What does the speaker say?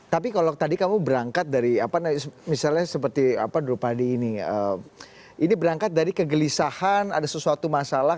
tapi kalau tadi kamu berangkat dari apa misalnya seperti drupadi ini ini berangkat dari kegelisahan ada sesuatu masalah